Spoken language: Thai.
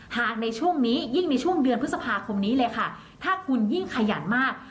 หากในช่วงนี้ยิ่งในช่วงเดือนพฤษภาคมนี้เลยค่ะถ้าคุณยิ่งขยันมาก